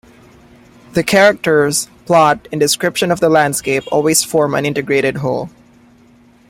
The characters, plot and description of the landscape always form an integrated whole.